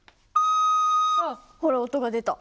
あっほら音が出た。